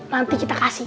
nanti kita kasih